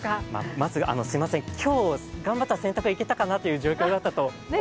まずすみません、今日頑張ったら洗濯いけたという状況だと思うんです。